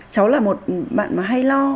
cháu là một bạn mà hay lo